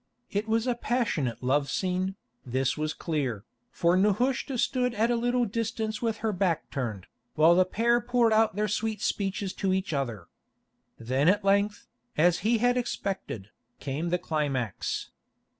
It was a passionate love scene, this was clear, for Nehushta stood at a little distance with her back turned, while the pair poured out their sweet speeches to each other. Then at length, as he had expected, came the climax.